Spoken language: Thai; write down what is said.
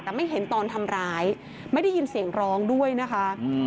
แต่ไม่เห็นตอนทำร้ายไม่ได้ยินเสียงร้องด้วยนะคะ